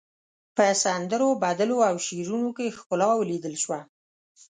په سندرو، بدلو او شعرونو کې ښکلا وليدل شوه.